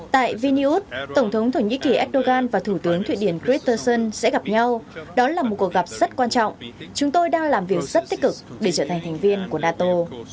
tại vinios tổng thống thổ nhĩ kỳ erdogan và thủ tướng thụy điển christensen sẽ gặp nhau đó là một cuộc gặp rất quan trọng chúng tôi đang làm việc rất tích cực để trở thành thành viên của nato